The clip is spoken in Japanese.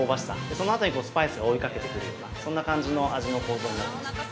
そのあとにスパイスが追いかけてくるようなそんな感じの味の構造になっています。